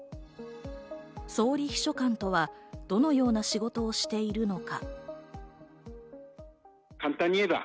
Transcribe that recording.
総理秘書官とはどのような仕事をしているのか？